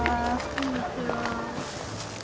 こんにちは。